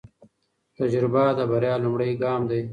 تجربه د بریا لومړی ګام دی.